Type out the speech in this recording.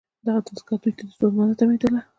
دا دستگاه دوی ته ستونزمنه تمامیدله.